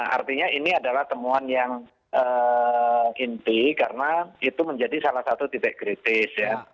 artinya ini adalah temuan yang inti karena itu menjadi salah satu titik kritis ya